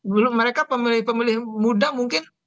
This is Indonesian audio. dulu mereka pemilih pemilih muda mungkin